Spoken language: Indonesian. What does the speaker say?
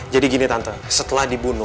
jadi gini tante setelah dibunuh